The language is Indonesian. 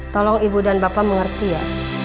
tolong ibu dan bapak mengerti ya